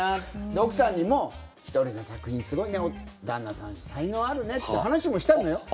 奥さんにもひとりの作品すごいね旦那さん、才能あるねって話もしたのよ。